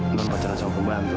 belum pacaran sama pembantu